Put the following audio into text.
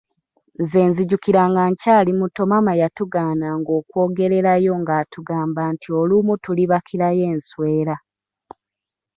Nze nzijukira nga nkyali muto maama yatugaananga okwogererayo nga atugamba nti olumu tulibakirayo enswera.